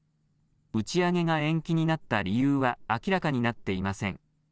打ち上げが延期になった理由は明らかになっていません。